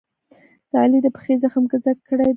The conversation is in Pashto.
د علي د پښې زخم ګذک کړی دی.